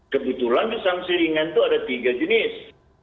kebetulan di sanksi ringan itu ada tiga jenis